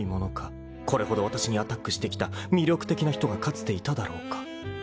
［これほどわたしにアタックしてきた魅力的な人がかつていただろうか？］